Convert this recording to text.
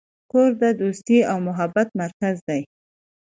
کور د دوستۍ او محبت مرکز دی.